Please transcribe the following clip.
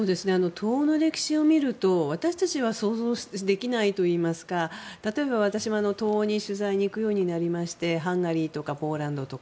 東欧の歴史を見ると私たちは想像できないといいますか例えば、私も東欧に取材に行くようになりましてハンガリーとかポーランドとか。